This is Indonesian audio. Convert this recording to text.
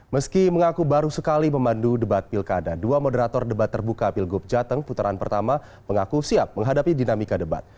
meski mengaku baru sekali memandu debat pilkada dua moderator debat terbuka pilgub jateng putaran pertama mengaku siap menghadapi dinamika debat